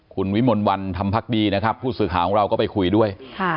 คุณวิมลวันธรรมพักดีนะครับผู้สื่อข่าวของเราก็ไปคุยด้วย